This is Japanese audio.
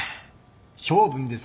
性分でさ。